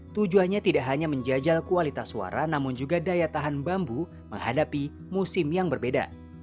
tujuannya tidak hanya menjajal kualitas suara namun juga daya tahan bambu menghadapi musim yang berbeda